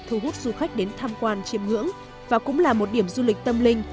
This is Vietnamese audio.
thu hút du khách đến tham quan chiêm ngưỡng và cũng là một điểm du lịch tâm linh